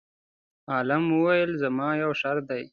عالم وویل: زما یو شرط دی.